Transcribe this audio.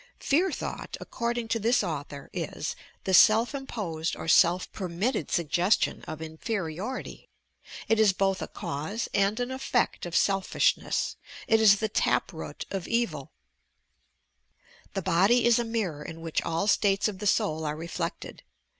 "Fear thought," according to this author, is "The self imposed or self perm it ted suggestion of inferiority. It is both a cause and an effect of selfishness. It is the tap root of eviL" The body is a mirror in which all states of the soul are reflected.